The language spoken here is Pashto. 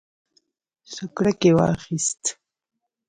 سوکړک یې واخیست.